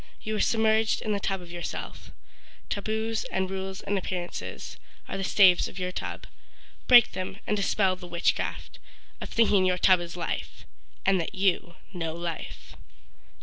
You are submerged in the tub of yourself— Taboos and rules and appearances, Are the staves of your tub. Break them and dispel the witchcraft Of thinking your tub is life And that you know life.